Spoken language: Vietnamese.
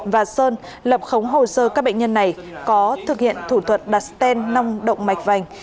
và sơn lập khống hồ sơ các bệnh nhân này có thực hiện thủ thuật đặt sten năm động mạch vành